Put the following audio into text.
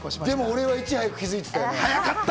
俺はいち早く気づいてたよね。